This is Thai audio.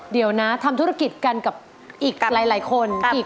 เดี๋ยวนะทำธุรกิจกันกับอีกหลายคนอีก